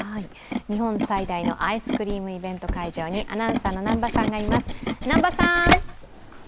日本最大のアイスクリームイベント会場にアナウンサーの南波さんがいます。